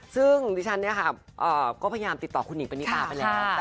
ซึ่งดิฉันเนี่ยค่ะก็พยายามติดต่อคุณหิงปณิตาไปแล้ว